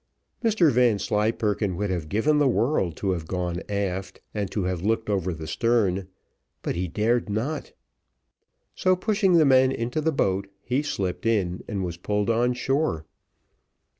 Mr Vanslyperken would have given the world to have gone aft, and to have looked over the stern, but he dared not; so, pushing the men into the boat, he slipped in, and was pulled on shore.